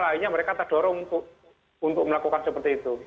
akhirnya mereka terdorong untuk melakukan seperti itu